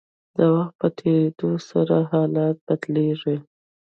د وخت په تیریدو سره حالات بدلیږي.